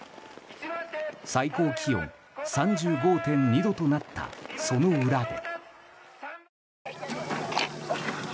最高気温３５．２度となったその裏で。